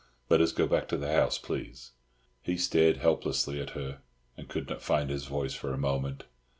Let us go back to the house, please." He stared helplessly at her, and could not find his voice for a moment.